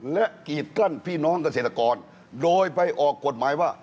และกีดกั้นพี่น้องเกษตรกรโดยไปออกกฎหมายว่า